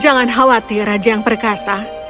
jangan khawatir raja yang perkasa